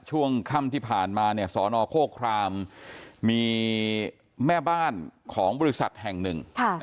ช่วงค่ำที่ผ่านมาสนโฆครามมีแม่บ้านของบริษัทแห่งหนึ่ง